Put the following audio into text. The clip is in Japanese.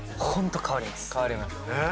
変わります。